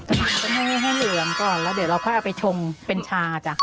ต้องให้เหลืองก่อนแล้วเดี๋ยวเราก็เอาไปชงเป็นชาจ้ะ